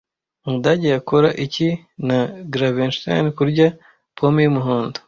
Umudage yakora iki na Gravenstein Kurya - pome y'umuhondo